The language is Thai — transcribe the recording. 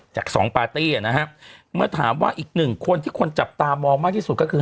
จากสองปาร์ตี้นะฮะเมื่อถามว่าอีกหนึ่งคนที่คนจับตามองมากที่สุดก็คือ